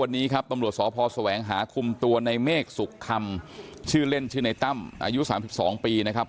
วันนี้ครับตำรวจสพแสวงหาคุมตัวในเมฆสุขคำชื่อเล่นชื่อในตั้มอายุ๓๒ปีนะครับ